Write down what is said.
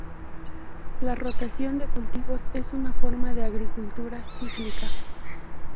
La rotación de cultivos es una forma de agricultura cíclica.